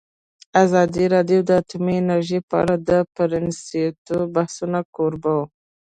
ازادي راډیو د اټومي انرژي په اړه د پرانیستو بحثونو کوربه وه.